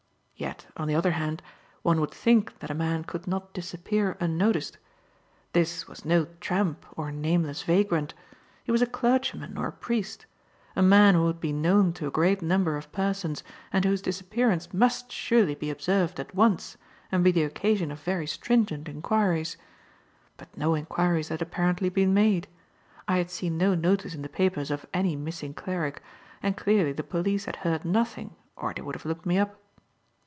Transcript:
Yet, on the other hand, one would think that a man could not disappear unnoticed. This was no tramp or nameless vagrant. He was a clergyman or a priest, a man who would be known to a great number of persons and whose disappearance must surely be observed at once and be the occasion of very stringent enquiries. But no enquiries had apparently been made. I had seen no notice in the papers of any missing cleric, and clearly the police had heard nothing or they would have looked me up.